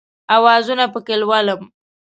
اوازونه پکښې لولم